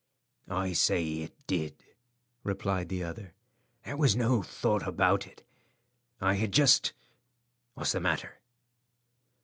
"I say it did," replied the other. "There was no thought about it; I had just— What's the matter?"